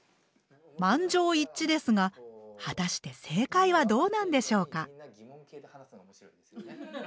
満場一致ですが果たして正解はどうなんでしょうか？